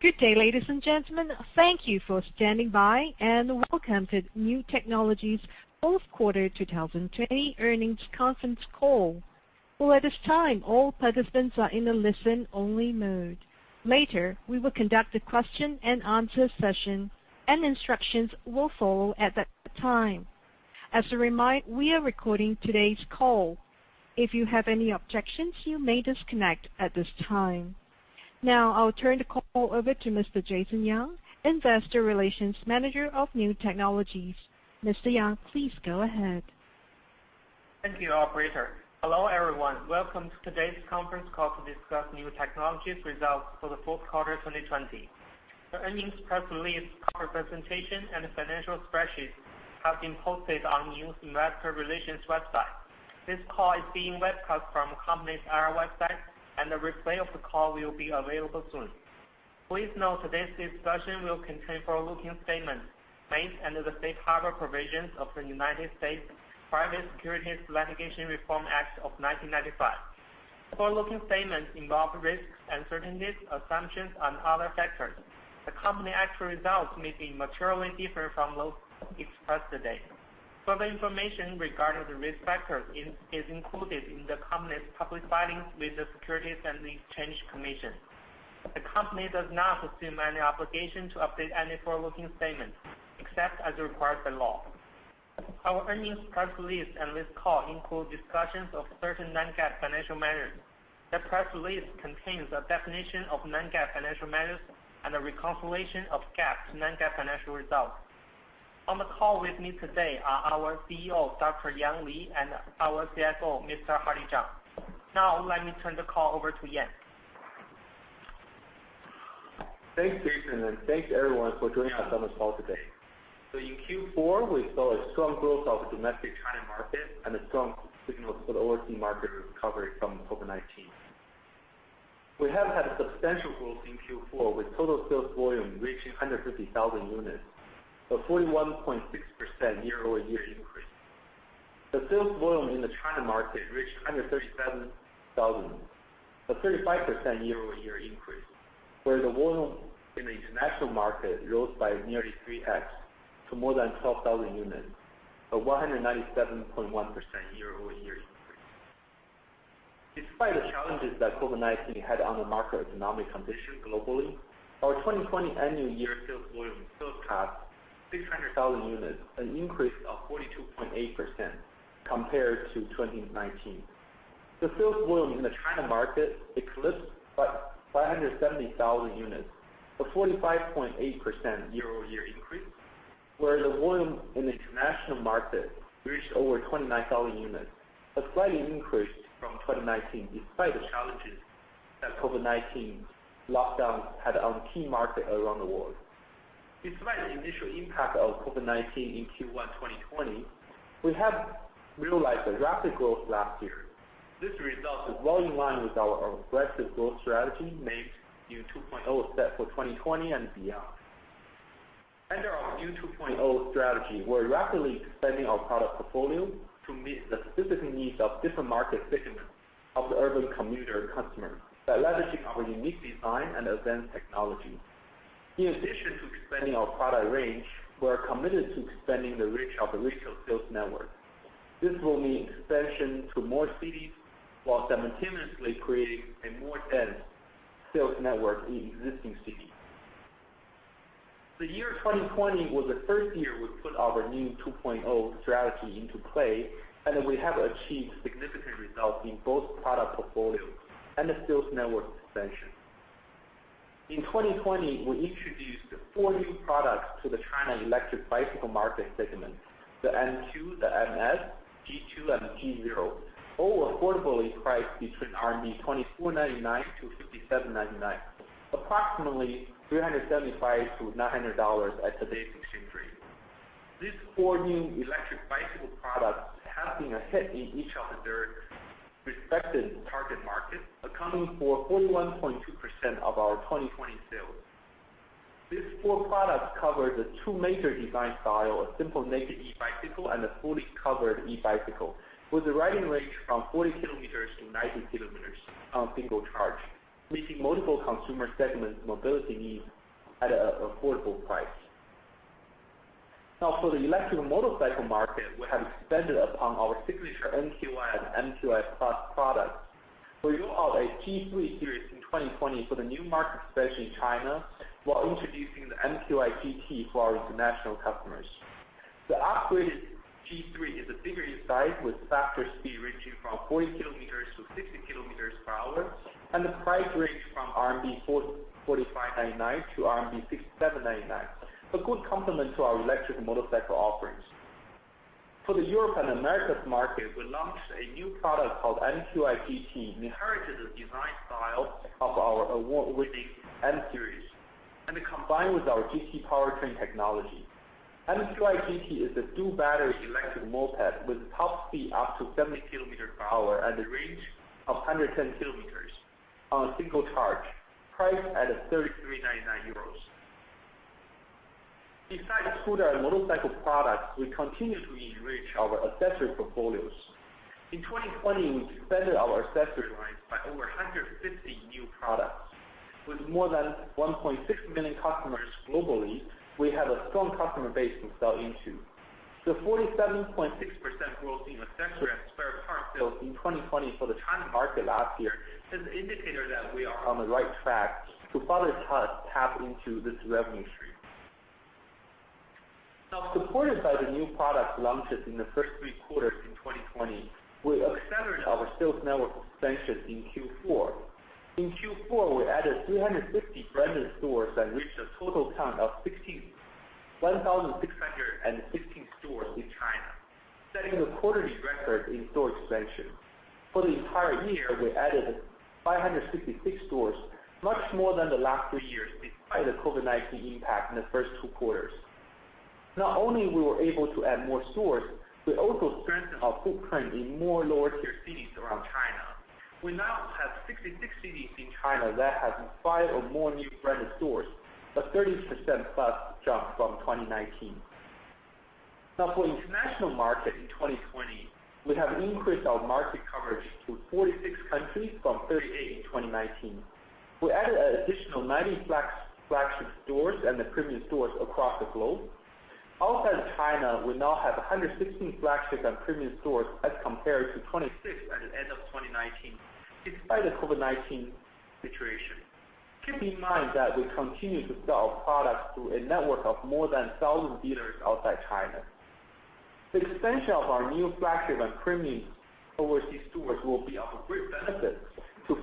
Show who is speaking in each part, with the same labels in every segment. Speaker 1: Good day, ladies and gentlemen. Thank you for standing by, and welcome to Niu Technologies' Fourth Quarter 2020 Earnings Conference Call. Now, I'll turn the call over to Mr. Jason Yang, Investor Relations Manager of Niu Technologies. Mr. Yang, please go ahead.
Speaker 2: Thank you, operator. Hello, everyone. Welcome to today's conference call to discuss Niu Technologies results for the fourth quarter 2020. The earnings press release, corporate presentation, and financial spreadsheets have been posted on Niu's investor relations website. This call is being webcast from the company's IR website, and the replay of the call will be available soon. Please note today's discussion will contain forward-looking statements made under the safe harbor provisions of the United States Private Securities Litigation Reform Act of 1995. Forward-looking statements involve risks, uncertainties, assumptions, and other factors. The company's actual results may be materially different from those expressed today. Further information regarding the risk factors is included in the company's public filings with the Securities and Exchange Commission. The company does not assume any obligation to update any forward-looking statements except as required by law. Our earnings press release and this call include discussions of certain non-GAAP financial measures. The press release contains a definition of non-GAAP financial measures and a reconciliation of GAAP to non-GAAP financial results. On the call with me today are our CEO, Dr. Yan Li, and our CFO, Mr. Hardy Zhang. Now, let me turn the call over to Yan.
Speaker 3: Thanks, Jason, thanks, everyone, for joining us on this call today. In Q4, we saw a strong growth of the domestic China market and strong signals for the overseas market recovery from COVID-19. We have had substantial growth in Q4, with total sales volume reaching 150,000 units, a 41.6% year-over-year increase. The sales volume in the China market reached 137,000, a 35% year-over-year increase. Whereas the volume in the international market rose by nearly 3x to more than 12,000 units, a 197.1% year-over-year increase. Despite the challenges that COVID-19 had on the market economic condition globally, our 2020 annual year sales volume still passed 600,000 units, an increase of 42.8% compared to 2019. The sales volume in the China market eclipsed 570,000 units, a 45.8% year-over-year increase. Whereas the volume in the international market reached over 29,000 units, a slight increase from 2019 despite the challenges that COVID-19 lockdowns had on key markets around the world. Despite the initial impact of COVID-19 in Q1 2020, we have realized a rapid growth last year. This result is well in line with our aggressive growth strategy made Niu 2.0 set for 2020 and beyond. Under our Niu 2.0 strategy, we're rapidly expanding our product portfolio to meet the specific needs of different market segments of the urban commuter customer by leveraging our unique design and advanced technology. In addition to expanding our product range, we are committed to expanding the reach of the retail sales network. This will mean expansion to more cities while simultaneously creating a more dense sales network in existing cities. The year 2020 was the first year we put our Niu 2.0 strategy into play, and we have achieved significant results in both product portfolio and the sales network expansion. In 2020, we introduced four new products to the China electric bicycle market segment, the MQ, the MS, and TQ, G0, all affordably priced between 2,499-5,799 RMB, approximately $375-$900 at today's exchange rate. These four new electric bicycle products have been a hit in each of their respective target markets, accounting for 41.2% of our 2020 sales. These four products cover the two major design style, a simple naked e-bicycle and a fully covered e-bicycle, with a riding range from 40 km-90 km on a single charge, meeting multiple consumer segments' mobility needs at an affordable price. Now, for the electric motorcycle market, we have expanded upon our signature NQi and NQi+ products. We rolled out a G3 series in 2020 for the new market space in China, while introducing the NQi GT for our international customers. The upgraded G3 is bigger in size, with faster speed ranging from 40 km/h-60 km/h, and a price range from 4,599-6,799 RMB, a good complement to our electric motorcycle offerings. For the Europe and Americas market, we launched a new product called NQi GT, inherited the design style of our award-winning N-series, and combined with our GT powertrain technology. NQi GT is a dual-battery electric moped with a top speed up to 70 km/h and a range of 110 km on a single charge, priced at 3,399 euros. Besides scooter and motorcycle products, we continue to enrich our accessory portfolios. In 2020, we expanded our accessory lines by over 150 new products. With more than 1.6 million customers globally, we have a strong customer base to sell into. The 47.6% growth in accessory and spare parts sales in 2020 for the China market last year is an indicator that we are on the right track to further tap into this revenue stream. Now, supported by the new product launches in the first three quarters in 2020, we accelerated our sales network expansion in Q4. In Q4, we added 350 branded stores and reached a total count of 1,616 stores in China, setting a quarterly record in store expansion. For the entire year, we added 566 stores, much more than the last three years, despite the COVID-19 impact in the first two quarters. Not only were we able to add more stores, we also strengthened our footprint in more lower-tier cities around China. We now have 66 cities in China that have five or more Niu branded stores, a 30%+ jump from 2019. Now, for international market in 2020, we have increased our market coverage to 46 countries from 38 in 2019. We added an additional 90 flagship stores and the premium stores across the globe. Outside of China, we now have 116 flagship and premium stores as compared to 26 at the end of 2019, despite the COVID-19 situation. Keep in mind that we continue to sell products through a network of more than 1,000 dealers outside China. The expansion of our new flagship and premium overseas stores will be of great benefit to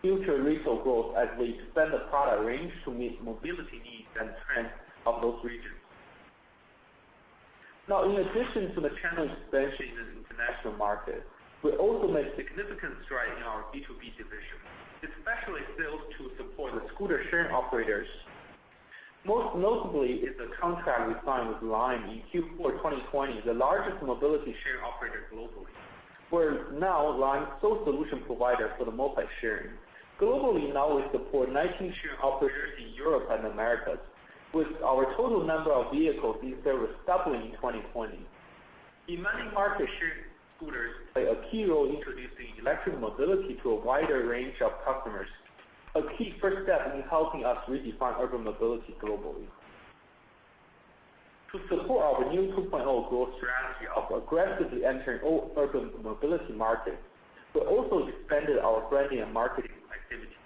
Speaker 3: future retail growth as we expand the product range to meet mobility needs and trends of those regions. Now, in addition to the channel expansion in the international market, we also made significant strides in our B2B division, especially sales to support our scooter sharing operators. Most notably is the contract we signed with Lime in Q4 2020, the largest mobility share operator globally. We are now Lime's sole solution provider for the moped sharing. Globally, now we support 19 sharing operators in Europe and Americas, with our total number of vehicles in service doubling in 2020. In many markets, shared scooters play a key role introducing electric mobility to a wider range of customers, a key first step in helping us redefine urban mobility globally. To support our new 2.0 growth strategy of aggressively entering urban mobility markets, we also expanded our branding and marketing activities.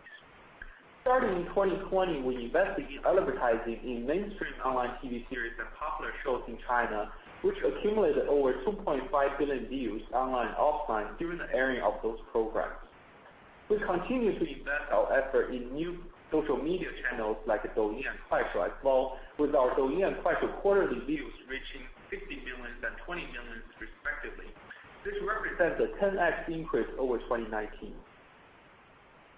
Speaker 3: Starting in 2020, we invested in advertising in mainstream online TV series and popular shows in China, which accumulated over 2.5 billion views online, offline during the airing of those programs. We continue to invest our effort in new social media channels like Douyin and Kuaishou as well, with our Douyin and Kuaishou quarterly views reaching 60 million and 20 million respectively. This represents a 10x increase over 2019.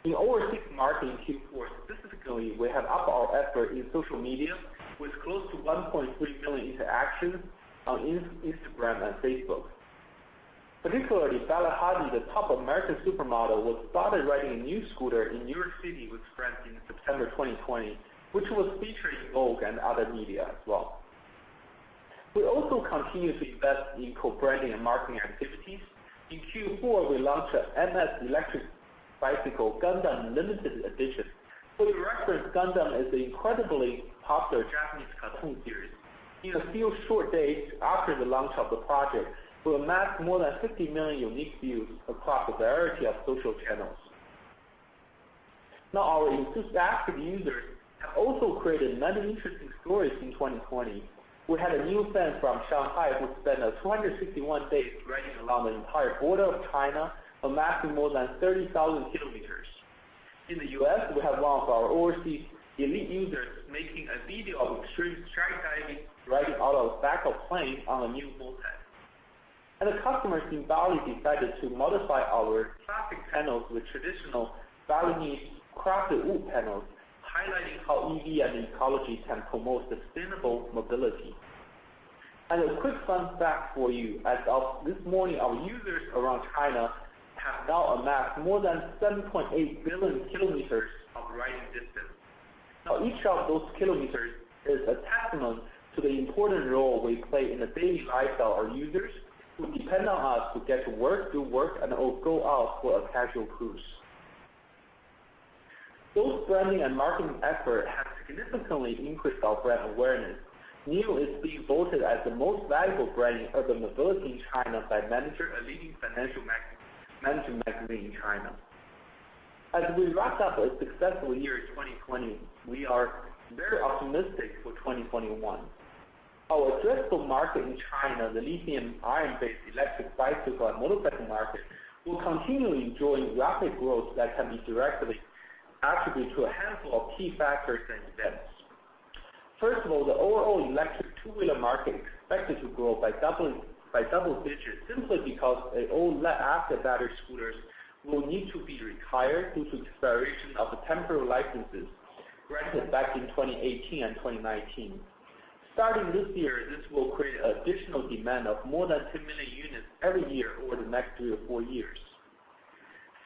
Speaker 3: In overseas marketing, Q4 specifically, we have upped our effort in social media with close to 1.3 million interactions on Instagram and Facebook. Particularly, Bella Hadid, the top American supermodel, was spotted riding a Niu scooter in New York City with friends in September 2020, which was featured in Vogue and other media as well. We also continue to invest in co-branding and marketing activities. In Q4, we launched an MS electric bicycle, Gundam limited edition. For the record, Gundam is an incredibly popular Japanese cartoon series. In a few short days after the launch of the project, we amassed more than 50 million unique views across a variety of social channels. Our existing active users have also created many interesting stories in 2020. We had a new fan from Shanghai who spent 261 days riding along the entire border of China, amassing more than 30,000 km. In the U.S., we had one of our overseas elite users making a video of extreme skydiving, riding out of the back of a plane on a Niu moped. The customers in Bali decided to modify our classic panels with traditional Balinese crafted wood panels, highlighting how EV and ecology can promote sustainable mobility. A quick fun fact for you, as of this morning, our users around China have now amassed more than 7.8 billion kilometers of riding distance. Each of those kilometers is a testament to the important role we play in the daily lifestyle our users, who depend on us to get to work, do work, and go out for a casual cruise. Both branding and marketing effort have significantly increased our brand awareness. Niu is being voted as the most valuable brand in urban mobility in China by a leading financial management magazine in China. We wrap up a successful year in 2020, we are very optimistic for 2021. Our addressable market in China, the lithium-ion-based electric bicycle and motorcycle market, will continue enjoying rapid growth that can be directly attributed to a handful of key factors and events. First of all, the overall electric two-wheeler market is expected to grow by double digits simply because old lead-acid battery scooters will need to be retired due to the expiration of the temporary licenses granted back in 2018 and 2019. Starting this year, this will create additional demand of more than 2 million units every year over the next three or four years.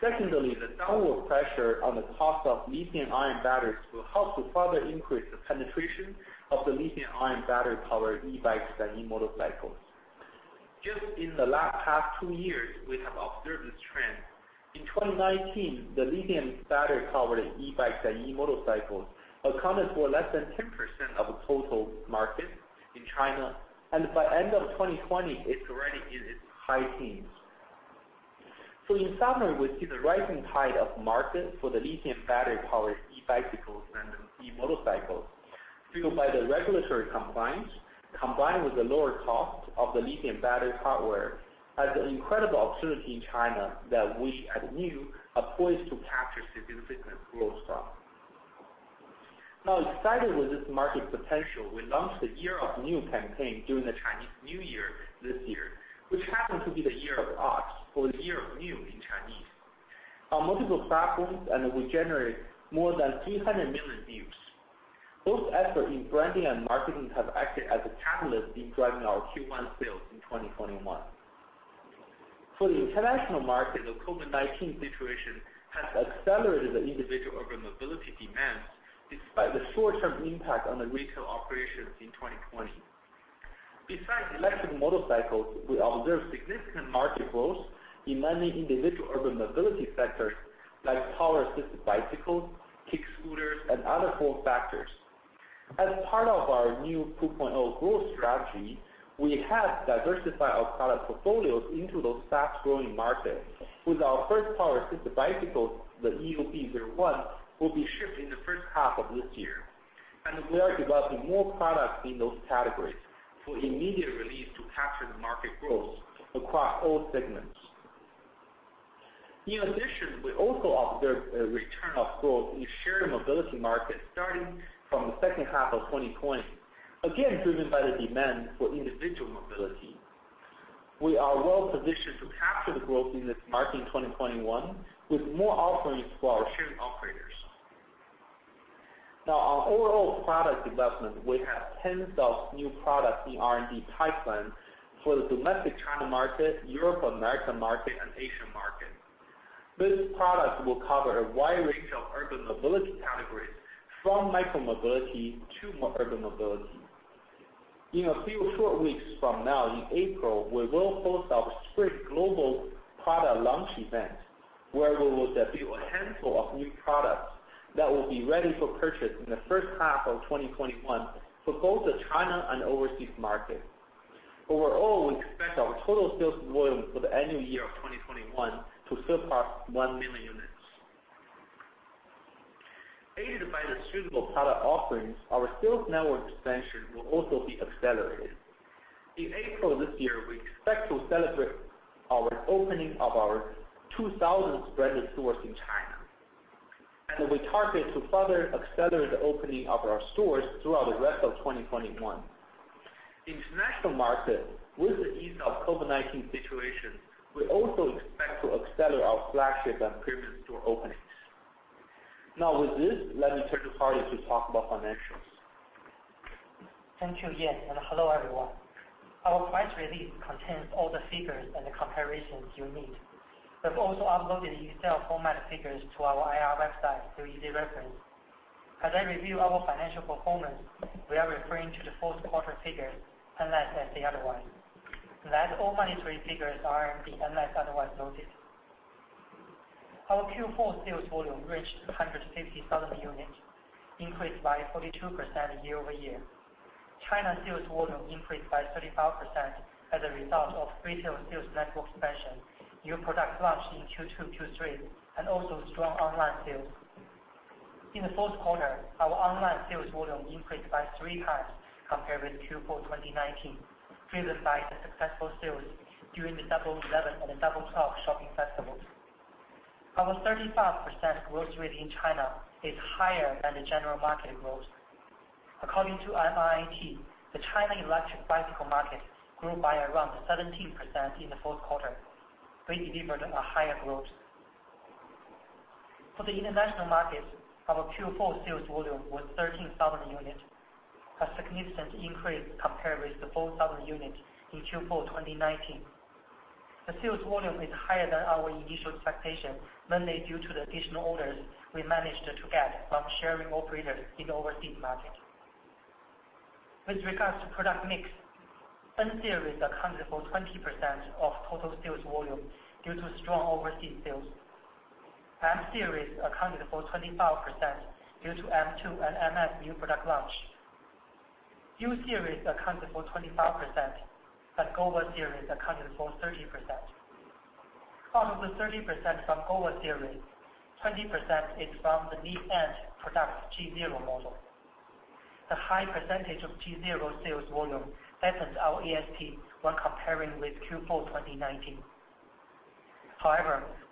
Speaker 3: Secondly, the downward pressure on the cost of lithium-ion batteries will help to further increase the penetration of the lithium-ion battery-powered e-bikes and e-motorcycles. Just in the last past two years, we have observed this trend. In 2019, the lithium battery-powered e-bikes and e-motorcycles accounted for less than 10% of the total market in China. By end of 2020, it's already in its high teens. In summary, we see the rising tide of market for the lithium battery-powered e-vehicles and e-motorcycles fueled by the regulatory compliance, combined with the lower cost of the lithium battery hardware, as an incredible opportunity in China that we, at Niu, are poised to capture significant growth from. Excited with this market potential, we launched the Year of the Niu campaign during the Chinese New Year this year, which happened to be the year of ox, or the year of Niu in Chinese, on multiple platforms, and we generated more than 300 million views. Both efforts in branding and marketing have acted as a catalyst in driving our Q1 sales in 2021. For the international market, the COVID-19 situation has accelerated the individual urban mobility demand, despite the short-term impact on the retail operations in 2020. Besides electric motorcycles, we observed significant market growth in many individual urban mobility sectors, like power-assisted bicycles, kick scooters, and other form factors. As part of our Niu 2.0 growth strategy, we have diversified our product portfolios into those fast-growing markets. With our first power-assisted bicycle, the EB-01, will be shipped in the first half of this year, and we are developing more products in those categories for immediate release to capture the market growth across all segments. In addition, we also observed a return of growth in the shared mobility market starting from the second half of 2020, again, driven by the demand for individual mobility. We are well-positioned to capture the growth in this market in 2021 with more offerings for our sharing operators. Now, on overall product development, we have tens of new products in the R&D pipeline for the domestic China market, Europe and American market, and Asian market. These products will cover a wide range of urban mobility categories from micro-mobility to more urban mobility. In a few short weeks from now, in April, we will host our spring global product launch event, where we will debut a handful of new products that will be ready for purchase in the first half of 2021 for both the China and overseas market. Overall, we expect our total sales volume for the annual year of 2021 to surpass 1 million units. Aided by the suitable product offerings, our sales network expansion will also be accelerated. In April this year, we expect to celebrate our opening of our 2,000th branded stores in China. We target to further accelerate the opening of our stores throughout the rest of 2021. International market, with the ease of COVID-19 situation, we also expect to accelerate our flagship and premium store openings. Now, with this, let me turn to Hardy to talk about financials.
Speaker 4: Thank you, Yan, and hello, everyone. Our press release contains all the figures and the comparisons you need. We have also uploaded the Excel format figures to our IR website for easy reference. As I review our financial performance, we are referring to the fourth quarter figures, unless stated otherwise. All monetary figures are RMB unless otherwise noted. Our Q4 sales volume reached 150,000 units, increased by 42% year-over-year. China sales volume increased by 35% as a result of retail sales network expansion, new product launch in Q2, Q3, and also strong online sales. In the fourth quarter, our online sales volume increased by 3x compared with Q4 2019, driven by the successful sales during the Double 11 and the Double 12 shopping festivals. Our 35% growth rate in China is higher than the general market growth. According to MIIT, the China electric bicycle market grew by around 17% in the fourth quarter. We delivered a higher growth. For the international market, our Q4 sales volume was 13,000 units, a significant increase compared with the 4,000 units in Q4 2019. The sales volume is higher than our initial expectation, mainly due to the additional orders we managed to get from sharing operators in the overseas market. With regards to product mix, N-series accounted for 20% of total sales volume due to strong overseas sales. M-series accounted for 25% due to M2 and MS new product launch. U-series accounted for 25%, and GOVA series accounted for 30%. Out of the 30% from GOVA series, 20% is from the mid-end product, G0 model. The high percentage of G0 sales volume softens our ASP when comparing with Q4 2019.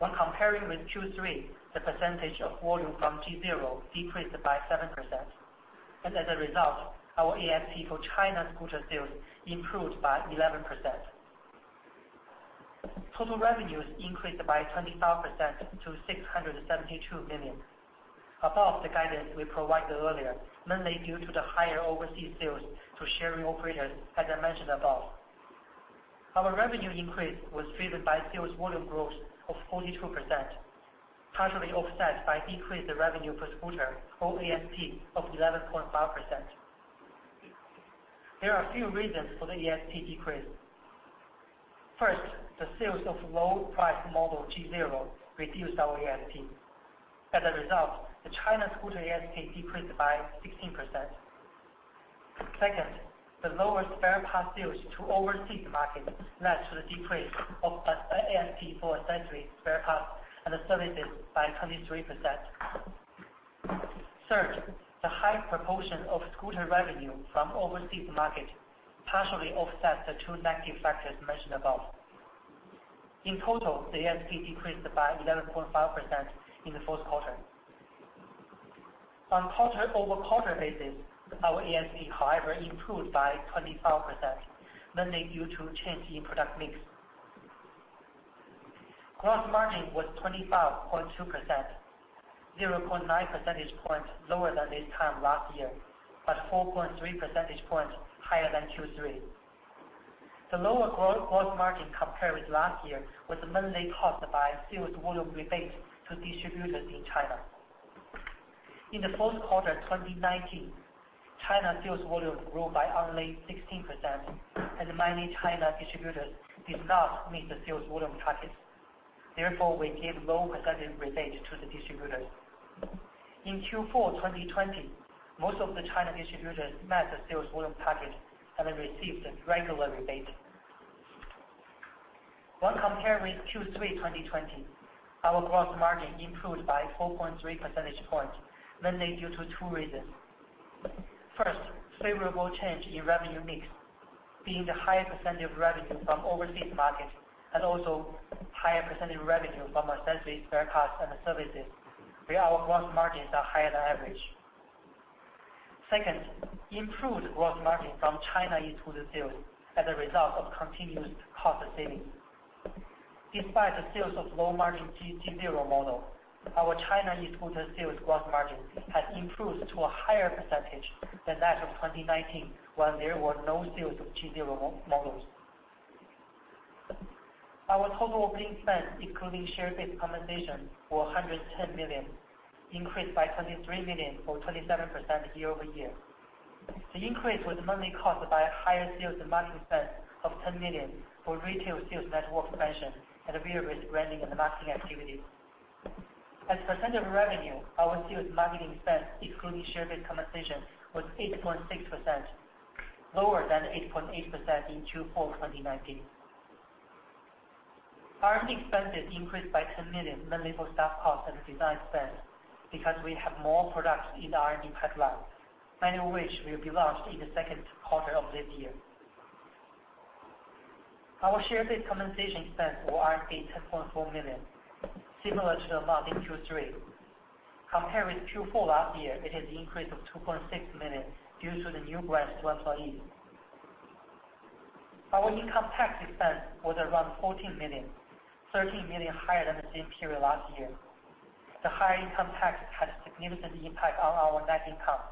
Speaker 4: When comparing with Q3, the percentage of volume from G0 decreased by 7%. As a result, our ASP for China scooter sales improved by 11%. Total revenues increased by 25% to 672 million, above the guidance we provided earlier, mainly due to the higher overseas sales to sharing operators, as I mentioned above. Our revenue increase was driven by sales volume growth of 42%, partially offset by decrease the revenue per scooter or ASP of 11.5%. There are a few reasons for the ASP decrease. First, the sales of low-price model G0 reduced our ASP. As a result, the China scooter ASP decreased by 16%. Second, the lower spare parts sales to overseas market led to the decrease of ASP for accessory spare parts and the services by 23%. Third, the high proportion of scooter revenue from overseas market partially offset the two negative factors mentioned above. In total, the ASP decreased by 11.5% in the fourth quarter. On quarter-over-quarter basis, our ASP, however, improved by 25%, mainly due to change in product mix. Gross margin was 25.2%, 0.9 percentage points lower than this time last year, but 4.3 percentage points higher than Q3. The lower gross margin compared with last year was mainly caused by sales volume rebates to distributors in China. In the fourth quarter 2019, China sales volume grew by only 16%, and many China distributors did not meet the sales volume targets. Therefore, we gave low percentage rebates to the distributors. In Q4 2020, most of the China distributors met the sales volume targets and received a regular rebate. When compared with Q3 2020, our gross margin improved by 4.3 percentage points, mainly due to two reasons. Favorable change in revenue mix, being the higher percentage revenue from overseas market and also higher percentage revenue from accessories, spare parts, and services, where our gross margins are higher than average. Improved gross margin from China e-scooter sales as a result of continuous cost savings. Despite the sales of low-margin G0 model, our China e-scooter sales gross margin has improved to a higher percentage than that of 2019, when there were no sales of G0 models. Our total operating expense, excluding share-based compensation, were 110 million, increased by 23 million or 27% year-over-year. The increase was mainly caused by higher sales and marketing expense of 10 million for retail sales network expansion and the way of risk branding and marketing activities. As a percent of revenue, our sales and marketing expense excluding share-based compensation was 8.6%, lower than 8.8% in Q4 2019. R&D expenses increased by 10 million, mainly for staff cost and design spend, because we have more products in the R&D pipeline, many of which will be launched in the second quarter of this year. Our share-based compensation expense were 10.4 million, similar to the amount in Q3. Compared with Q4 last year, it has increased of 2.6 million due to the new grants to employees. Our income tax expense was around 14 million, 13 million higher than the same period last year. The higher income tax had a significant impact on our net income.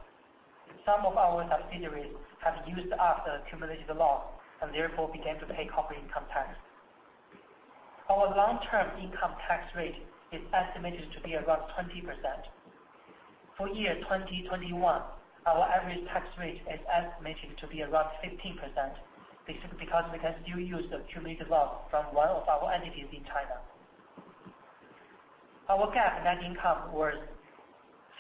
Speaker 4: Some of our subsidiaries have used up the accumulated loss and therefore began to pay corporate income tax. Our long-term income tax rate is estimated to be around 20%. For year 2021, our average tax rate is estimated to be around 15%, basically because we can still use the accumulated loss from one of our entities in China. Our GAAP net income was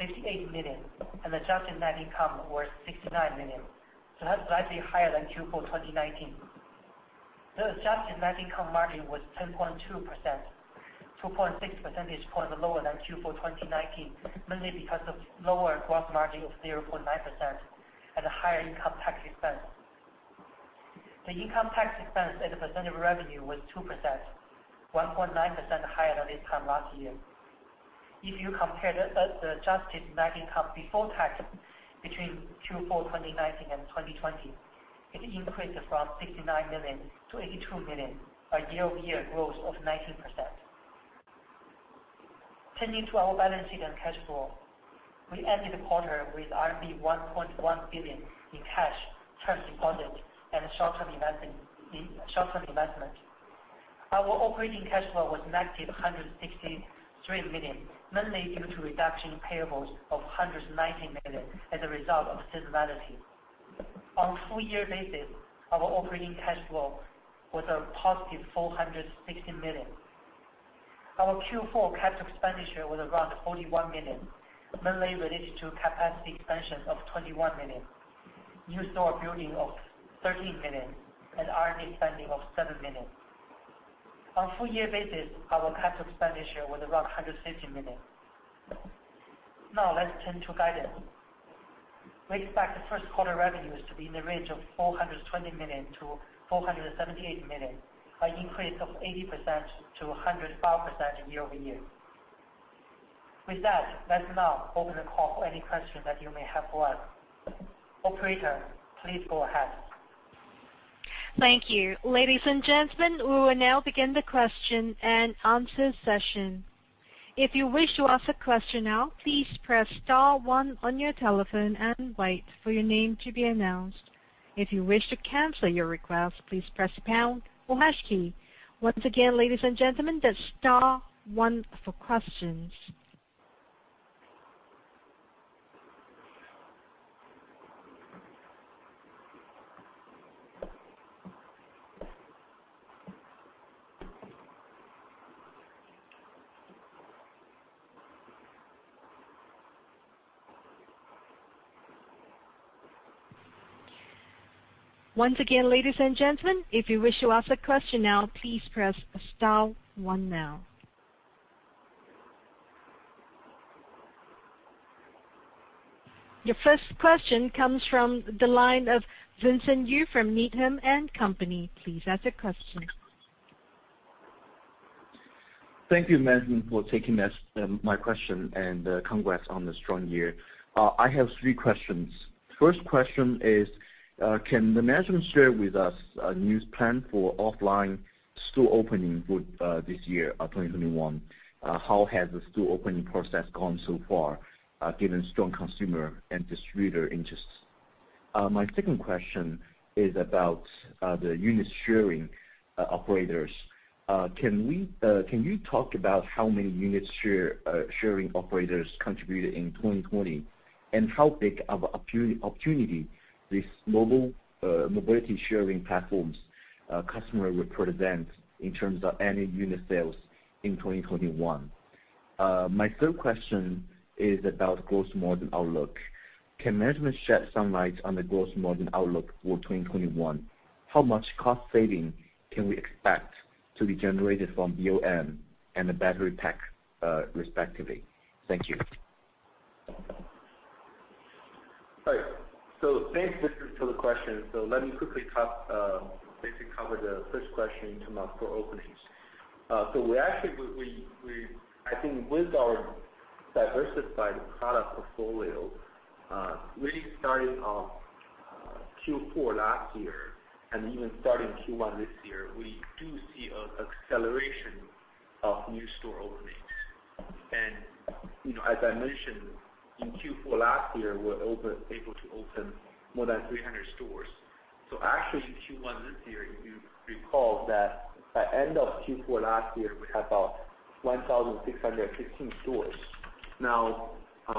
Speaker 4: 58 million, and adjusted net income was 69 million. That's slightly higher than Q4 2019. The adjusted net income margin was 10.2%, 2.6 percentage points lower than Q4 2019, mainly because of lower gross margin of 0.9% and higher income tax expense. The income tax expense as a percent of revenue was 2%, 1.9% higher than this time last year. If you compare the adjusted net income before tax between Q4 2019 and 2020, it increased from 69 million to 82 million, a year-over-year growth of 19%. Turning to our balance sheet and cash flow, we ended the quarter with RMB 1.1 billion in cash deposit, and short-term investment. Our operating cash flow was negative 163 million, mainly due to reduction in payables of 119 million as a result of seasonality. On a full year basis, our operating cash flow was a +416 million. Our Q4 capital expenditure was around 41 million, mainly related to capacity expansion of 21 million, new store building of 13 million, and R&D spending of 7 million. On a full year basis, our capital expenditure was around 150 million. Now let's turn to guidance. We expect the first quarter revenues to be in the range of 420 million-478 million, an increase of 80%-105% year-over-year. With that, let's now open the call for any questions that you may have for us. Operator, please go ahead.
Speaker 1: Thank you. Ladies and gentlemen, we will now begin the question-and-answer session. Your first question comes from the line of Vincent Yu from Needham & Company. Please ask a question.
Speaker 5: Thank you, management, for taking my question, and congrats on the strong year. I have three questions. First question is, can the management share with us a new plan for offline store opening for this year, 2021? How has the store opening process gone so far, given strong consumer and distributor interests? My second question is about the unit sharing operators. Can you talk about how many unit sharing operators contributed in 2020, and how big of an opportunity these mobility sharing platforms customer will present in terms of annual unit sales in 2021? My third question is about gross margin outlook. Can management shed some light on the gross margin outlook for 2021? How much cost saving can we expect to be generated from BOM and the battery pack, respectively? Thank you.
Speaker 3: All right. Thanks, Vincent, for the question. Let me quickly basically cover the first question in terms of store openings. Actually, I think with our diversified product portfolio, really starting off Q4 last year and even starting Q1 this year, we do see an acceleration of new store openings. As I mentioned, in Q4 last year, we were able to open more than 300 stores. Actually, in Q1 this year, if you recall that at end of Q4 last year, we had about 1,615 stores. Now,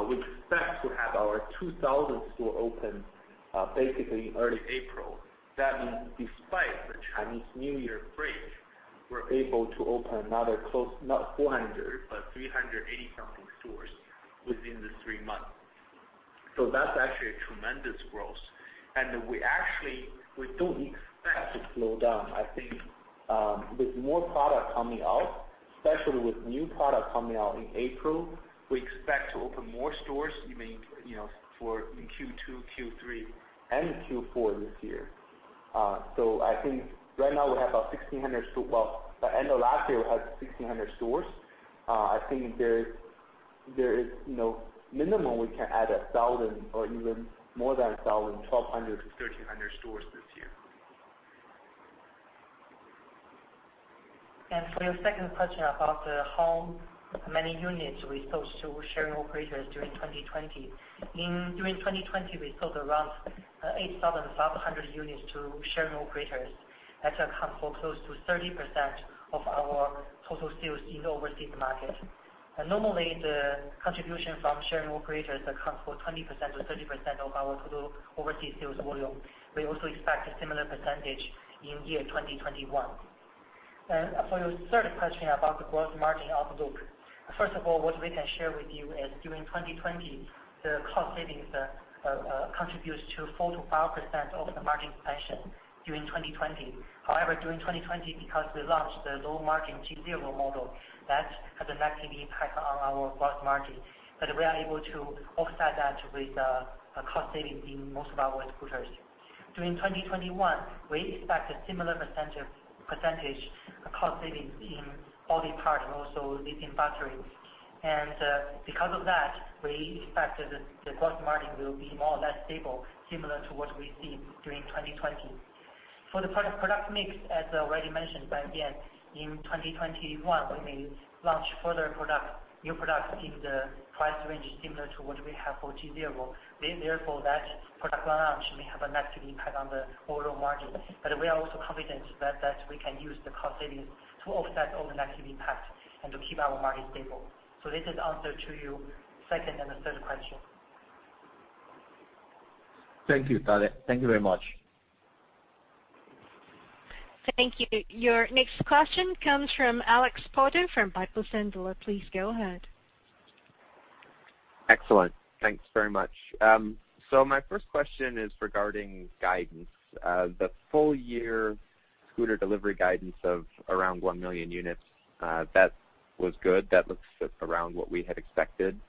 Speaker 3: we expect to have our 2,000th store open basically in early April. That means despite the Chinese New Year break, we're able to open another close, not 400, but 380-something stores within these three months. That's actually a tremendous growth. We actually don't expect to slow down. I think with more product coming out, especially with new product coming out in April, we expect to open more stores even for Q2, Q3, and Q4 this year. I think right now we have about 1,600 stores. Well, by end of last year, we had 1,600 stores. I think there is minimum we can add 1,000 or even more than 1,000, 1,200 to 1,300 stores this year.
Speaker 4: For your second question about how many units we sold to sharing operators during 2020. During 2020, we sold around 8,500 units to sharing operators. That accounts for close to 30% of our total sales in the overseas market. Normally, the contribution from sharing operators accounts for 20%-30% of our total overseas sales volume. We also expect a similar percentage in year 2021. For your third question about the gross margin outlook. First of all, what we can share with you is during 2020, the cost savings contributes to 4%-5% of the margin expansion during 2020. However, during 2020, because we launched the low-margin G0 model, that had a negative impact on our gross margin, but we are able to offset that with cost saving in most of our scooters. During 2021, we expect a similar percentage cost savings in all the parts and also lithium battery. Because of that, we expect the gross margin will be more or less stable, similar to what we've seen during 2020. For the product mix, as already mentioned by Yan, in 2021, we may launch further products, new products in the price range similar to what we have for G0. Therefore, that product launch may have a negative impact on the overall margin. We are also confident that we can use the cost savings to offset all the negative impact and to keep our margin stable. This is answer to your second and the third question.
Speaker 5: Thank you. Thank you very much.
Speaker 1: Thank you. Your next question comes from Alex Potter from Piper Sandler. Please go ahead.
Speaker 6: Excellent. Thanks very much. My first question is regarding guidance. The full-year scooter delivery guidance of around 1 million units, that was good. That looks around what we had expected.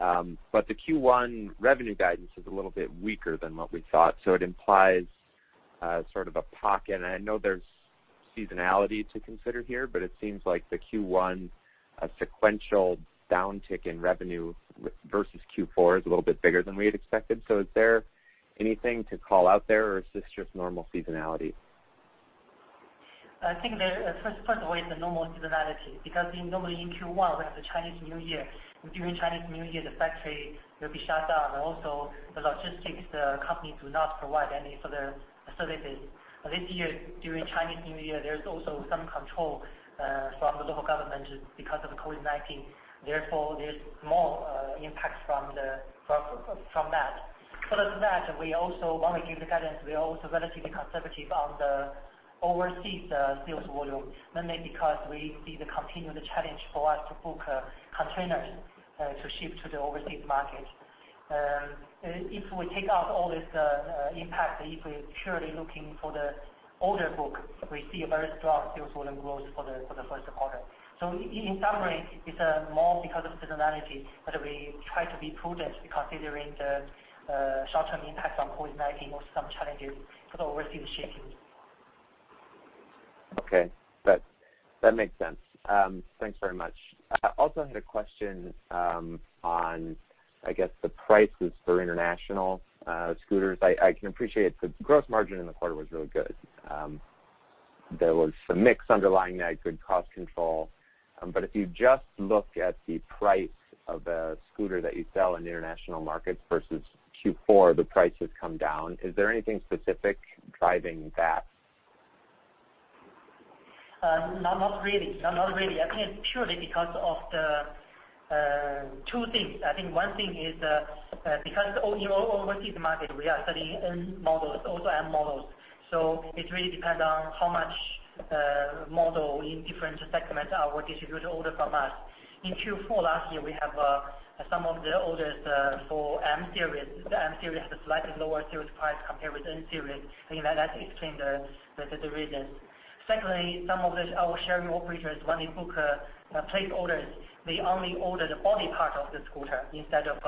Speaker 6: The Q1 revenue guidance is a little bit weaker than what we thought. It implies sort of a pocket, and I know there's seasonality to consider here, but it seems like the Q1 sequential downtick in revenue versus Q4 is a little bit bigger than we had expected. Is there anything to call out there, or is this just normal seasonality?
Speaker 4: The first way is the normal seasonality, because normally in Q1, we have the Chinese New Year. During Chinese New Year, the factory will be shut down. Also, the logistics companies do not provide any further facilities. This year, during Chinese New Year, there's also some control from the local government because of the COVID-19. Therefore, there's more impact from that. Other than that, when we give the guidance, we are also relatively conservative on the overseas sales volume, mainly because we see the continued challenge for us to book containers to ship to the overseas market. If we take out all this impact, if we're purely looking for the order book, we see a very strong sales volume growth for the first quarter. In summary, it's more because of seasonality, but we try to be prudent considering the short-term impact from COVID-19 or some challenges for the overseas shipping.
Speaker 6: Okay. That makes sense. Thanks very much. I also had a question on, I guess, the prices for international scooters. I can appreciate the gross margin in the quarter was really good. There was some mix underlying that good cost control. If you just look at the price of the scooter that you sell in the international markets versus Q4, the price has come down. Is there anything specific driving that?
Speaker 4: Not really. I think it's purely because of two things. I think one thing is because in overseas market, we are selling N models, also M models. It really depends on how much model in different segments our distributors order from us. In Q4 last year, we have some of the orders for M-series. The M-series has a slightly lower sales price compared with N-series. I think that explains the reason. Secondly, some of our sharing operators, when they book place orders, they only order the body part of the scooter instead of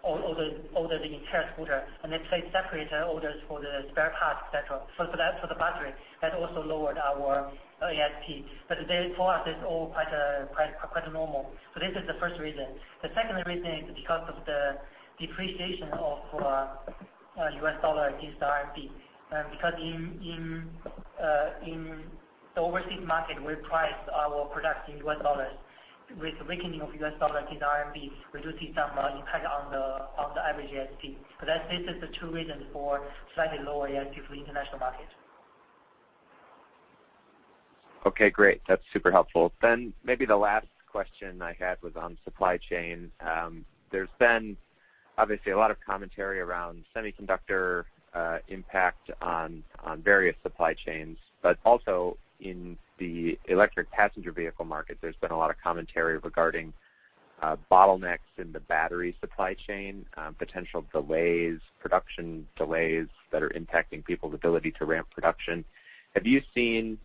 Speaker 4: ordering the entire scooter, and they place separate orders for the spare parts, et cetera, for the battery. That also lowered our ASP. For us, it's all quite normal. This is the first reason. The second reason is because of the depreciation of U.S. dollar against the RMB. Because in the overseas market, we price our products in U.S. dollars. With the weakening of U.S. dollar against RMB, we do see some impact on the average ASP. These are the two reasons for slightly lower ASP for the international market.
Speaker 6: Okay, great. That's super helpful. Maybe the last question I had was on supply chain. There's been, obviously, a lot of commentary around semiconductor impact on various supply chains, but also in the electric passenger vehicle market, there's been a lot of commentary regarding bottlenecks in the battery supply chain, potential delays, production delays that are impacting people's ability to ramp production. Have you seen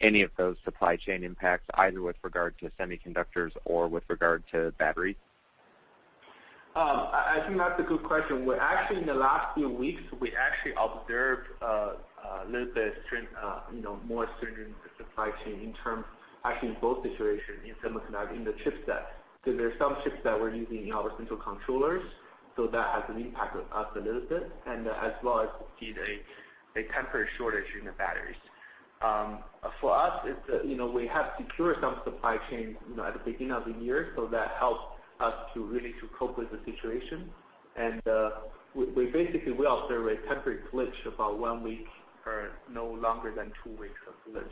Speaker 6: any of those supply chain impacts, either with regard to semiconductors or with regard to batteries?
Speaker 3: I think that's a good question. Actually, in the last few weeks, we actually observed a little bit more strain in the supply chain, actually in both situations, in semiconductor, in the chip set, because there are some chips that we're using in our central controllers. That has an impact on us a little bit, and as well as we see a temporary shortage in the batteries. For us, we have secured some supply chain at the beginning of the year, so that helps us to really to cope with the situation. Basically, we observe a temporary glitch about one week or no longer than two weeks of glitch.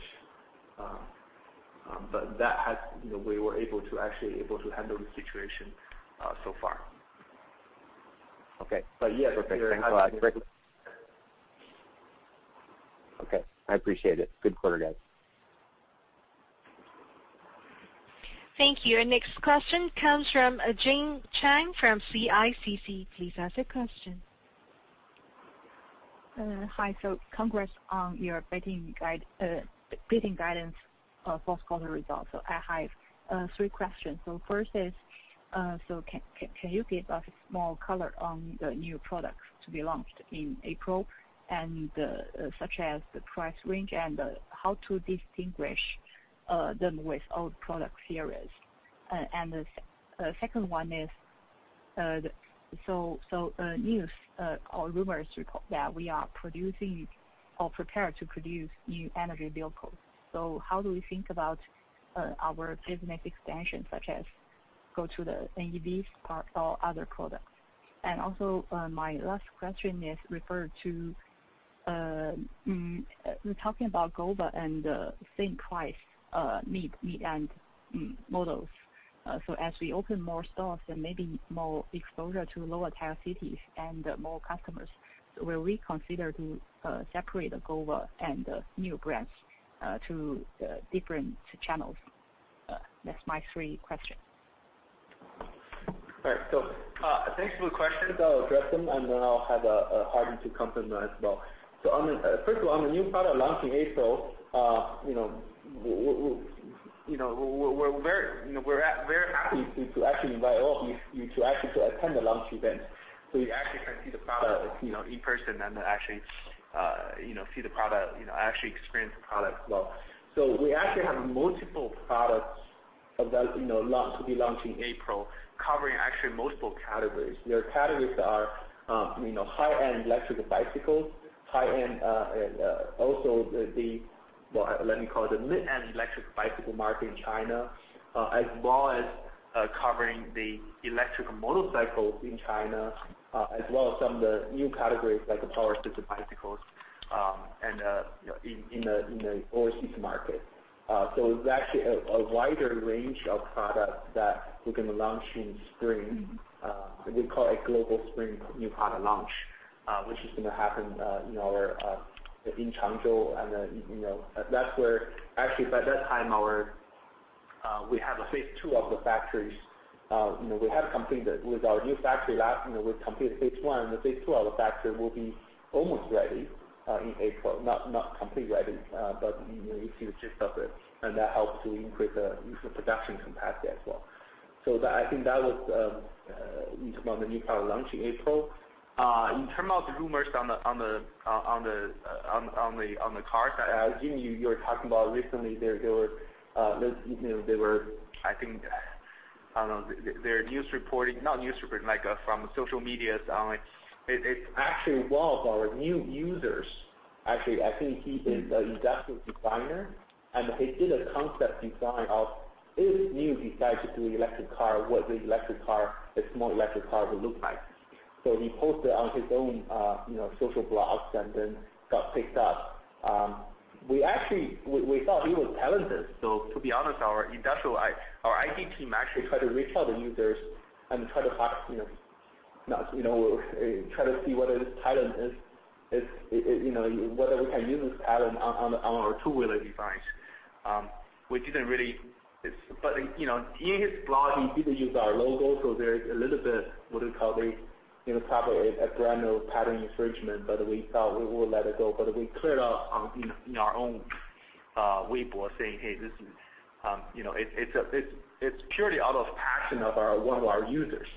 Speaker 3: We were actually able to handle the situation so far.
Speaker 6: Okay.
Speaker 3: But yes-
Speaker 6: Okay, I appreciate it. Good quarter, guys.
Speaker 1: Thank you. Our next question comes from Jing Chang from CICC. Please ask the question.
Speaker 7: Hi. Congrats on your beating guidance for quarter results. I have three questions. First is, can you give us more color on the new products to be launched in April, such as the price range and how to distinguish them with old product series? The second one is, news or rumors that we are producing or prepare to produce New Energy Vehicles. How do we think about our business extension, such as go to the NEVs or other products? My last question is referred to talking about Gova and same price mid-end models. As we open more stores and maybe more exposure to lower-tier cities and more customers, will we consider to separate GOVA and Niu brands to different channels? That's my three questions.
Speaker 3: All right. Thanks for the questions. I'll address them, and then I'll have Hardy to comment on as well. First of all, on the new product launch in April, we're very happy to actually invite all of you to actually attend the launch event. You actually can see the product in person and actually see the product, actually experience the product as well. We actually have multiple products of that to be launching April, covering actually multiple categories. The categories are high-end electric bicycles, high-end, also the, let me call it the mid-end electric bicycle market in China, as well as covering the electric motorcycles in China, as well as some of the new categories like the power-assisted bicycles in the overseas market. It's actually a wider range of products that we're going to launch in spring. We call it global spring new product launch, which is going to happen in Changzhou, and that's where actually by that time we have a phase II of the factories. We've completed phase I, the phase II of the factory will be almost ready in April. Not completely ready, but you see the gist of it, and that helps to increase the production capacity as well. I think that was in terms of the new product launch in April. In terms of the rumors on the cars that, Jing, you were talking about recently, there were, I think, I don't know, there are news reporting, like from social media. It's actually one of our Niu users, actually, I think he is an industrial designer, and he did a concept design of if Niu decides to do an electric car, what the small electric car will look like. He posted on his own social blogs and then got picked up. We thought he was talented. To be honest, our industrial, our IT team actually tried to reach out to users and tried to see whether it is talent, whether we can use this talent on our two-wheeler designs. In his blog, he did use our logo. There is a little bit, what do you call it? Probably a brand new patent infringement. We thought we would let it go. We cleared up in our own Weibo saying, "Hey, it's purely out of passion of one of our users."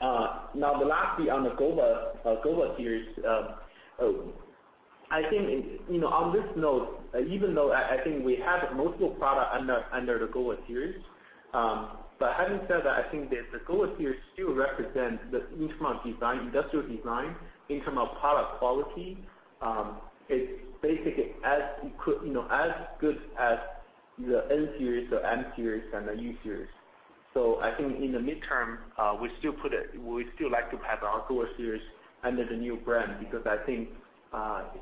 Speaker 3: The last thing on the GOVA series. I think, on this note, even though I think we have multiple product under the GOVA series, but having said that, I think that the GOVA series still represents the in terms of industrial design, in terms of product quality, it's basically as good as the N-series, the M-series, and the U-series. I think in the midterm, we'd still like to have our GOVA series under the Niu brand, because I think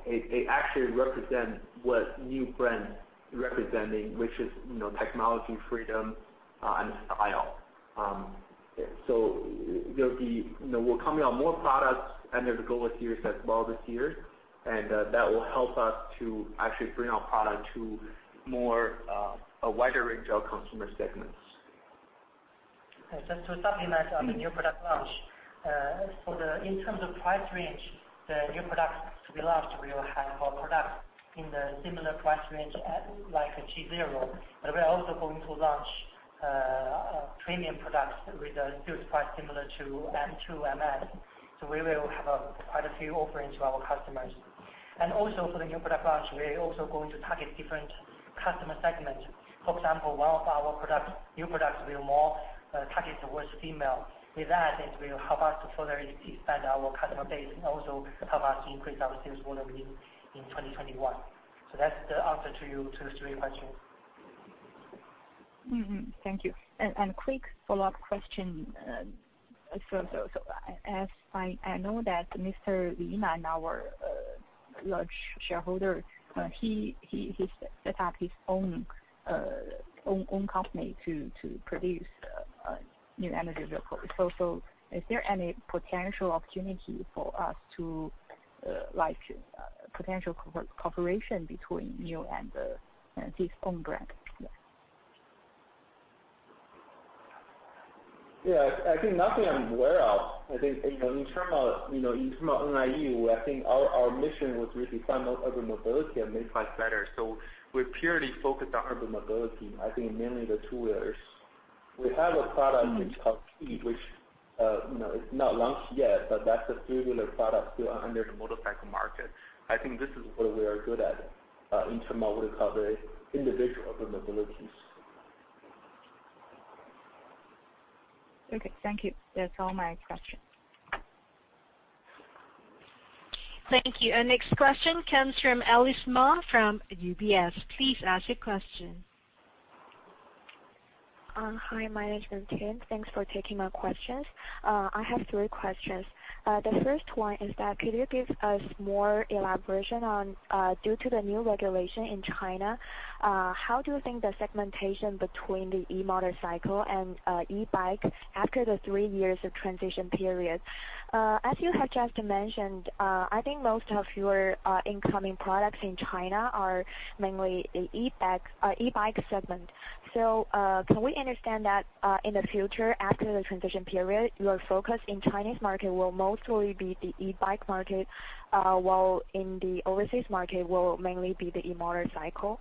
Speaker 3: it actually represents what Niu brand representing, which is technology, freedom, and style. We're coming out more products under the GOVA series as well this year, and that will help us to actually bring our product to a wider range of consumer segments.
Speaker 4: Just to supplement on the new product launch. In terms of price range, the new products to be launched will have a product in the similar price range as, like a G0, but we're also going to launch premium products with a build price similar to M2, MS. We will have quite a few offerings to our customers. Also for the new product launch, we're also going to target different customer segments. For example, one of our new products will more target towards female. With that, it will help us to further expand our customer base and also help us increase our sales volume in 2021. That's the answer to those three questions.
Speaker 7: Thank you. Quick follow-up question. As I know that Li Yinan, our large shareholder, he set up his own company to produce New Energy Vehicles. Is there any potential opportunity for us to, potential cooperation between Niu and his own brand? Yeah.
Speaker 3: Yeah. I think nothing I'm aware of. I think, in terms of Niu, I think our mission was really to promote urban mobility and make life better. We're purely focused on urban mobility. I think mainly the two-wheelers. We have a product which is not launched yet, but that's a three-wheeler product still under the motorcycle market. I think this is what we are good at, in terms of what you call the individual urban mobilities.
Speaker 7: Okay. Thank you. That's all my questions.
Speaker 1: Thank you. Our next question comes from Alice Ma from UBS. Please ask your question.
Speaker 8: Hi, management team. Thanks for taking my questions. I have three questions. The first one is that could you give us more elaboration on, due to the new regulation in China, how do you think the segmentation between the e-motorcycle and e-bike after the three years of transition period? As you have just mentioned, I think most of your incoming products in China are mainly in e-bike segment. Can we understand that, in the future, after the transition period, your focus in Chinese market will mostly be the e-bike market, while in the overseas market will mainly be the e-motorcycle?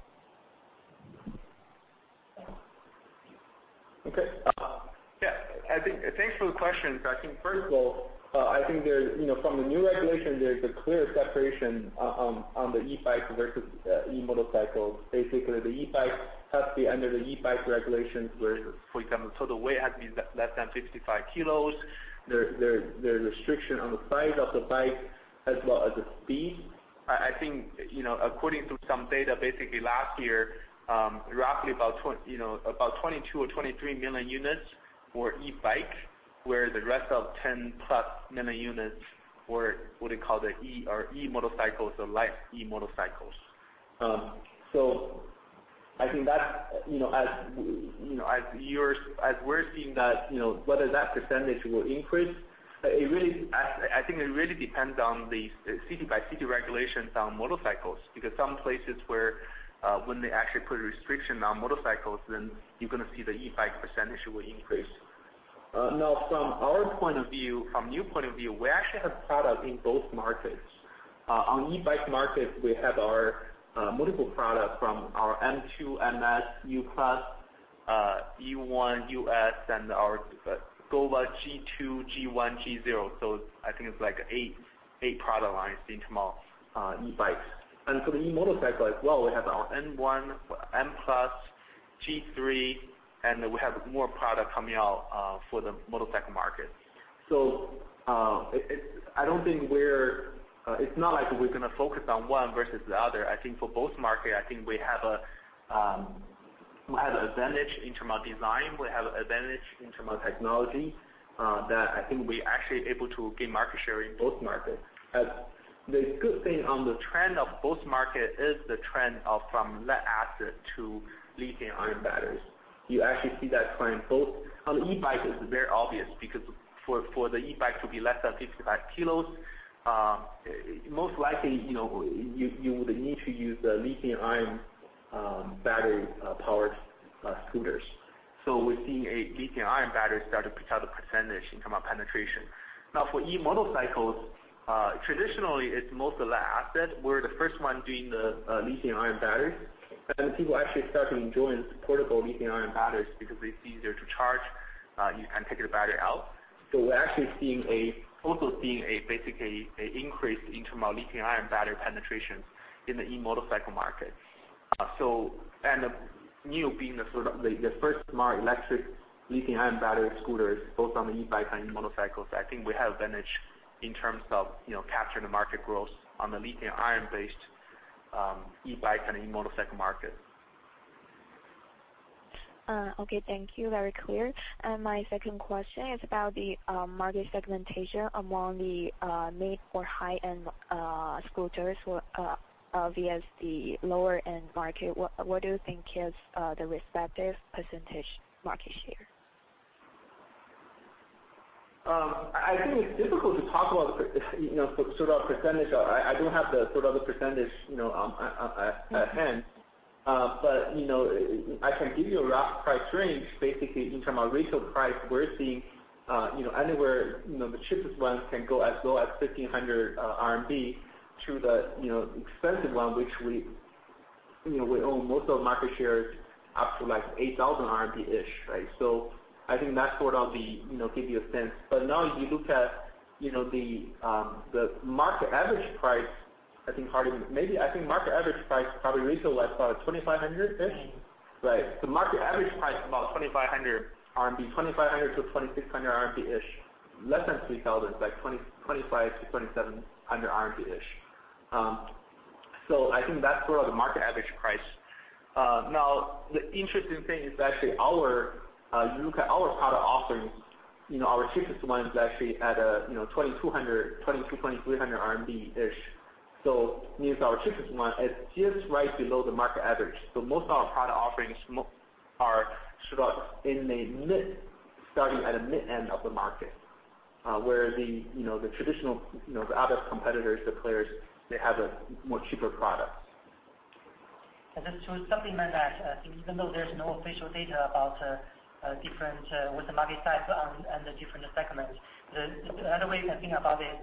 Speaker 3: Okay. Yeah, thanks for the question. I think, first of all, from the new regulation, there's a clear separation on the e-bike versus e-motorcycles. Basically, the e-bike has to be under the e-bike regulations where, for example, the weight has to be less than 55 kgs. There are restrictions on the size of the bike as well as the speed. I think, according to some data, basically last year, roughly about 22 million or 23 million units were e-bikes, where the rest of 10+ million units were what they call the e-motorcycles or light e-motorcycles. I think as we're seeing that, whether that percentage will increase, I think it really depends on the city-by-city regulations on motorcycles, because some places where when they actually put a restriction on motorcycles, then you're going to see the e-bike percentage will increase. From Niu point of view, we actually have product in both markets. On e-bike markets, we have our multiple product from our M2, MS, UQi+, U1, US, and our GOVA G2, G1, G0. I think it's eight product lines in terms of e-bikes. For the e-motorcycle as well, we have our N1, M+, G3, and then we have more product coming out for the motorcycle market. I don't think it's not like we're going to focus on one versus the other. I think for both markets, I think we have an advantage in terms of design, we have advantage in terms of technology, that I think we're actually able to gain market share in both markets. The good thing on the trend of both markets is the trend from lead-acid to lithium-ion batteries. You actually see that trend both. On the e-bike, it's very obvious because for the e-bike to be less than 55 kgs, most likely, you would need to use the lithium-ion battery powered scooters. We're seeing a lithium-ion battery start to pick up the percentage in terms of penetration. Now, for e-motorcycles, traditionally, it's mostly lead-acid. We're the first one doing the lithium-ion batteries. People actually start to enjoy portable lithium-ion batteries because it's easier to charge. You can take the battery out. We're also seeing basically an increase in terms of lithium-ion battery penetration in the e-motorcycle market. Niu being the first smart electric lithium-ion battery scooters, both on the e-bike and e-motorcycles, I think we have advantage in terms of capturing the market growth on the lithium-ion based e-bike and e-motorcycle market.
Speaker 8: Okay, thank you. Very clear. My second question is about the market segmentation among the mid or high-end scooters versus the lower-end market. What do you think is the respective percentage market share?
Speaker 3: I think it's difficult to talk about the sort of percentage. I don't have the sort of the percentage at hand. I can give you a rough price range. Basically, in terms of retail price, we're seeing anywhere, the cheapest ones can go as low as 1,500 RMB to the expensive one, which we own most of market shares up to like 8,000-ish. I think that's sort of the give you a sense. Now you look at the market average price, I think market average price probably retail at about 2,500-ish. Right. The market average price is about 2,500 RMB. 2,500-2,600-ish RMB, less than RMB 3,000. It's like RMB 2,500-RMB 2,700-ish. I think that's sort of the market average price. Now, the interesting thing is actually if you look at our product offerings, our cheapest one is actually at 2,200, 2,300-ish. Even if our cheapest one, it's just right below the market average. Most of our product offerings are sort of starting at a mid-end of the market, where the traditional, the other competitors, the players, they have a more cheaper product.
Speaker 4: I think even though there's no official data about different with the market size and the different segments, the other way you can think about it,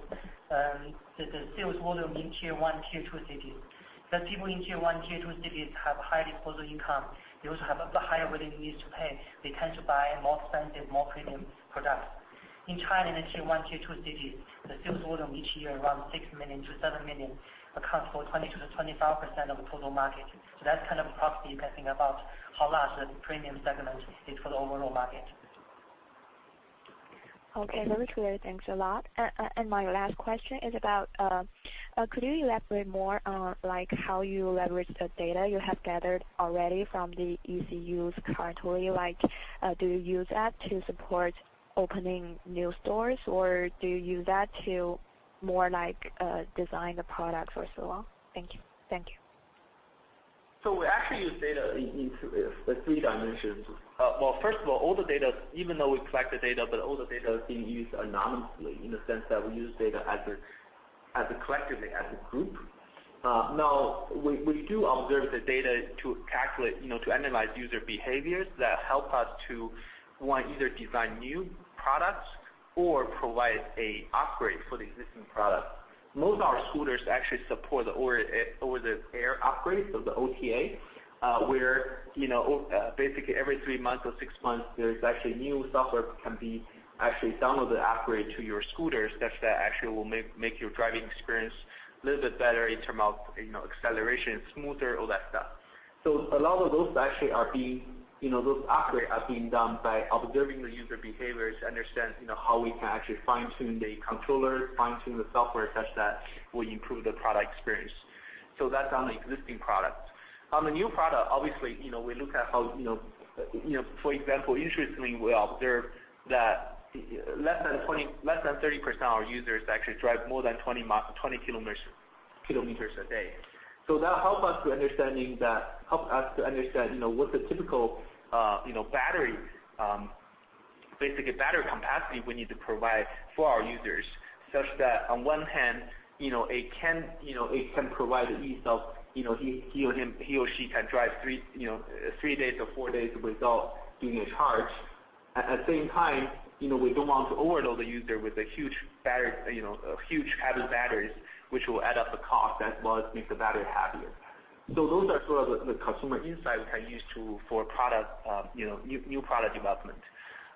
Speaker 4: the sales volume in Tier 1, Tier 2 cities. The people in Tier 1, Tier 2 cities have high disposable income. They also have a higher willingness to pay. They tend to buy more expensive, more premium product. In China, in the Tier 1, Tier 2 cities, the sales volume each year around 6 million-7 million accounts for 20%-25% of the total market. That's kind of a proxy you can think about how large the premium segment is for the overall market.
Speaker 8: Okay. Very clear. Thanks a lot. My last question is about could you elaborate more on how you leverage the data you have gathered already from the ECUs currently? Do you use that to support opening new stores, or do you use that to more design the products first of all? Thank you.
Speaker 3: We actually use data in three dimensions. Well, first of all the data, even though we collect the data, but all the data is being used anonymously in the sense that we use data as a collectively, as a group. We do observe the data to calculate, to analyze user behaviors that help us to one, either design new products or provide an upgrade for the existing product. Most of our scooters actually support the over-the-air upgrades, so the OTA, where basically every three months or six months, there's actually new software that can be downloaded and upgraded to your scooter such that it will make your driving experience a little bit better in terms of acceleration, smoother, all that stuff. A lot of those upgrades are being done by observing the user behaviors to understand how we can actually fine-tune the controller, fine-tune the software such that we improve the product experience. That's on the existing product. On the new product, obviously, for example, interestingly, we observed that less than 30% of our users actually drive more than 20 kms a day. That helps us to understand what the typical battery capacity we need to provide for our users, such that on one hand, it can provide ease of he or she can drive three days or four days without doing a charge. At the same time, we don't want to overload the user with huge heavy batteries, which will add up the cost as well as make the battery heavier. Those are sort of the customer insights we can use for new product development.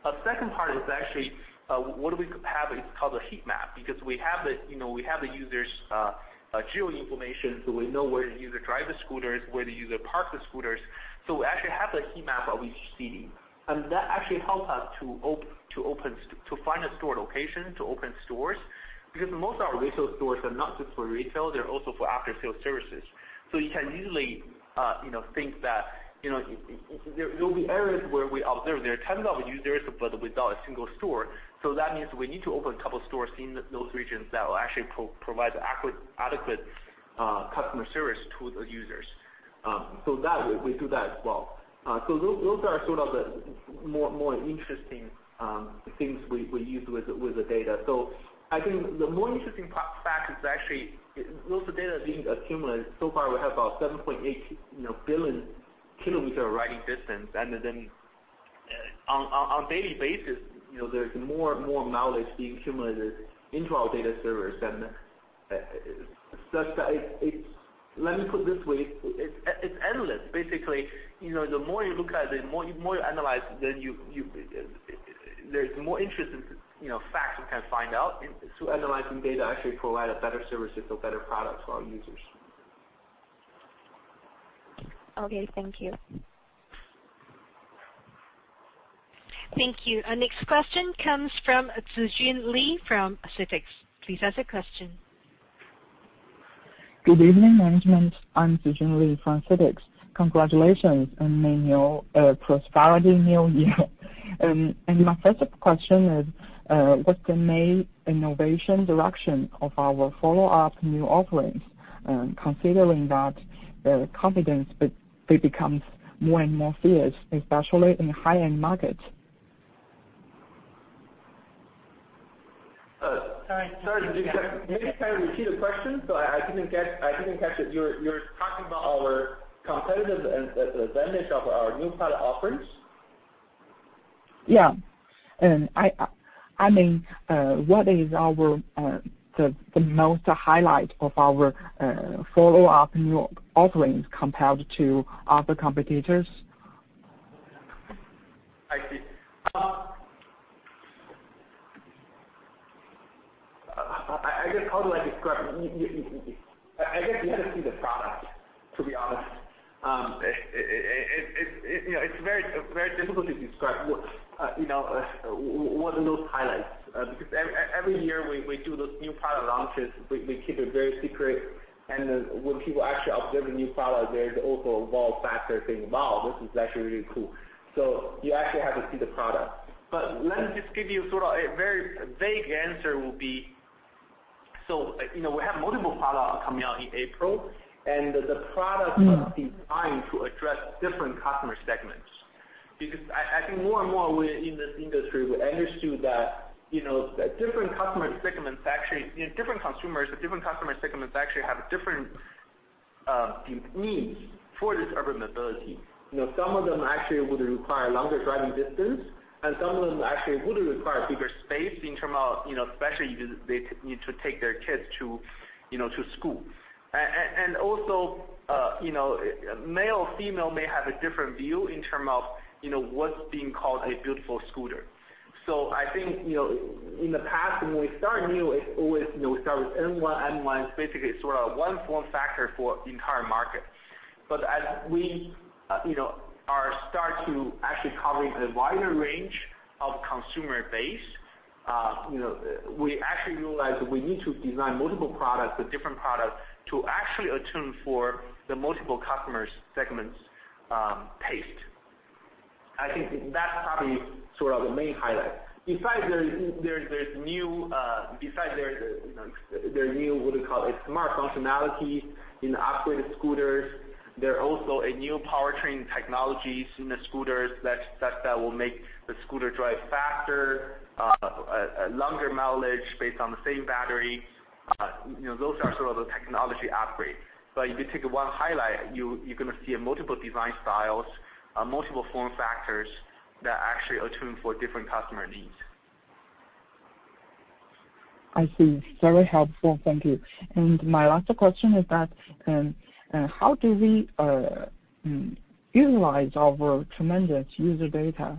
Speaker 3: A second part is actually, what do we have is called a heat map, because we have the users' geo information, so we know where the user drive the scooters, where the user park the scooters. We actually have the heat map that we see, and that actually helps us to find a store location, to open stores, because most of our retail stores are not just for retail, they're also for after-sales services. You can usually think that there will be areas where we observe there are tons of users, but without a single store. That means we need to open a couple stores in those regions that will actually provide adequate customer service to the users. We do that as well. Those are sort of the more interesting things we use with the data. I think the more interesting fact is actually, most of the data being accumulated, so far, we have about 7.8 billion kilometers riding distance. On a daily basis, there's more and more mileage being accumulated into our data servers. Let me put it this way, it's endless. Basically, the more you look at it, the more you analyze, there's more interesting facts you can find out to analyzing data actually provide a better service with a better product to our users.
Speaker 8: Okay, thank you.
Speaker 1: Thank you. Our next question comes from Zijun Li from CITIC. Please ask the question.
Speaker 9: Good evening, management. I'm Zijun Li from CITIC. Congratulations, and may you have a prosperity new year. My first question is, what's the main innovation direction of our follow-up new offerings, considering that the competition becomes more and more fierce, especially in high-end markets?
Speaker 3: Sorry, can you maybe kind of repeat the question? I didn't catch it. You're talking about our competitive advantage of our new product offerings?
Speaker 9: Yeah. I mean, what is the most highlight of our follow-up new offerings compared to other competitors?
Speaker 3: I see. I guess, how do I describe it? I guess you have to see the product, to be honest. It's very difficult to describe what are those highlights, because every year we do those new product launches, we keep it very secret. When people actually observe the new product, there's also a wow factor, thinking, "Wow, this is actually really cool." You actually have to see the product. Let me just give you sort of a very vague answer will be, we have multiple products coming out in April, and the products- I think more and more in this industry, we understood that different customer segments actually, different consumers or different customer segments actually have different needs for this urban mobility. Some of them actually would require longer driving distance, some of them actually would require bigger space in terms of especially if they need to take their kids to school. Also, male, female may have a different view in terms of what's being called a beautiful scooter. I think in the past when we start Niu, it's always we start with N1, M1, basically sort of one form factor for the entire market. As we are start to actually covering a wider range of consumer base, we actually realized that we need to design multiple products with different products to actually attune for the multiple customers' segments taste. I think that's probably sort of the main highlight. Besides, there's new, what do you call it, smart functionality in the upgraded scooters. There are also new powertrain technologies in the scooters that will make the scooter drive faster, longer mileage based on the same battery. Those are sort of the technology upgrades. If you take one highlight, you're going to see multiple design styles, multiple form factors. That actually attune for different customer needs.
Speaker 9: I see. Very helpful. Thank you. My last question is that, how do we utilize our tremendous user data?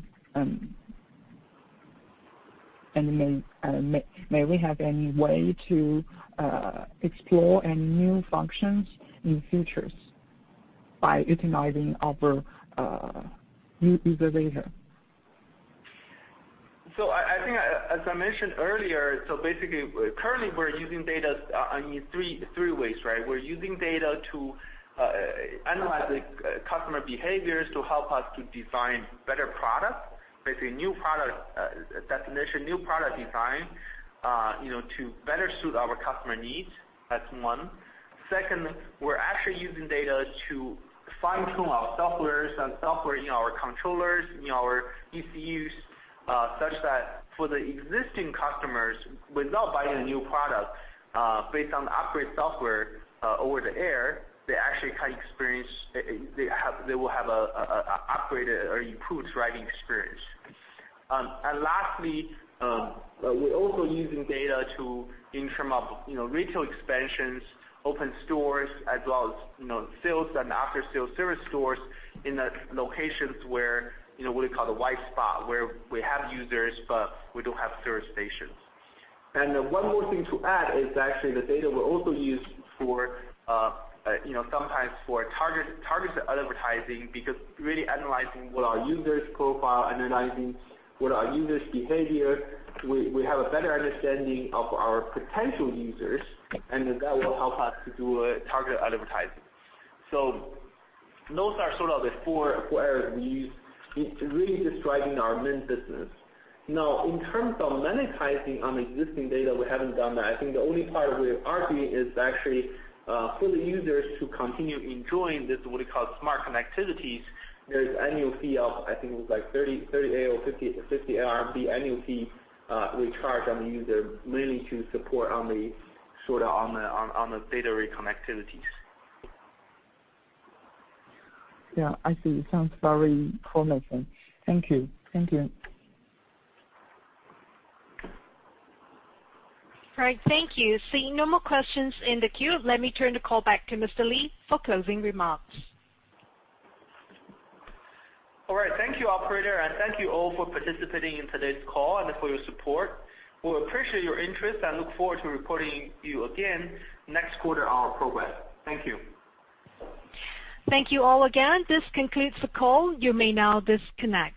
Speaker 9: May we have any way to explore any new functions in the future by utilizing our new user data?
Speaker 3: I think, as I mentioned earlier, so basically, currently we're using data in three ways, right? We're using data to analyze the customer behaviors to help us to design better products. Basically, new product definition, new product design to better suit our customer needs. That's one. Second, we're actually using data to fine-tune our softwares and software in our controllers, in our ECUs, such that for the existing customers, without buying a new product, based on the upgrade software over the air, they will have a upgraded or improved driving experience. Lastly, we're also using data in term of retail expansions, open stores, as well as sales and after-sales service stores in the locations where, what we call the white spot, where we have users, but we don't have service stations. One more thing to add is actually the data we also use sometimes for targeted advertising, because really analyzing what our users profile, analyzing what our users' behavior, we have a better understanding of our potential users, and then that will help us to do a targeted advertising. Those are sort of the four areas we use, really just driving our main business. Now, in terms of monetizing on existing data, we haven't done that. I think the only part we are doing is actually for the users to continue enjoying this, what we call smart connectivities. There is annual fee of, I think it was like 30, 50, the annual fee we charge on the user mainly to support on the data rate connectivities.
Speaker 9: Yeah, I see. Sounds very promising. Thank you.
Speaker 1: All right. Thank you. Seeing no more questions in the queue, let me turn the call back to Mr. Li for closing remarks.
Speaker 3: All right. Thank you, operator, and thank you all for participating in today's call and for your support. We appreciate your interest and look forward to reporting you again next quarter on our progress. Thank you.
Speaker 1: Thank you all again. This concludes the call. You may now disconnect.